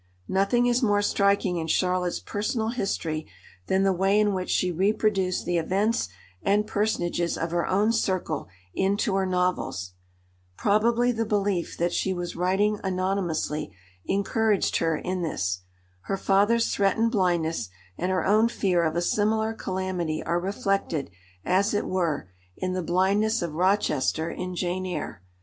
Nothing is more striking in Charlotte's personal history than the way in which she reproduced the events and personages of her own circle into her novels. Probably the belief that she was writing anonymously encouraged her in this. Her father's threatened blindness and her own fear of a similar calamity are reflected, as it were, in the blindness of Rochester in Jane Eyre.